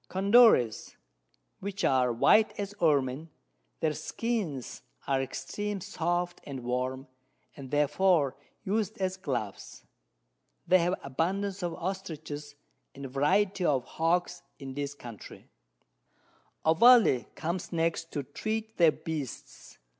Condores, which are white as Ermin; their Skins are extreme soft and warm, and therefore us'd as Gloves. They have abundance of Ostriches, and Variety of Hawks in this Country. Ovalle comes next to treat of their Beasts.